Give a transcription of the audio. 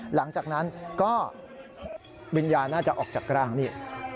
หลังจากนั้นก็วิญญาณน่าจะออกจากร่างนี่